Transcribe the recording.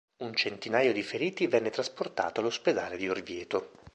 Un centinaio di feriti venne trasportato all'ospedale di Orvieto.